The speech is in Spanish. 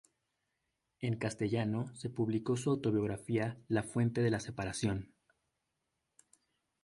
En castellano se publicó su autobiografía La fuente de la separación.